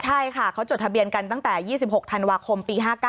ใช่ค่ะเขาจดทะเบียนกันตั้งแต่๒๖ธันวาคมปี๕๙